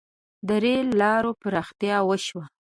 • د رېل لارو پراختیا وشوه.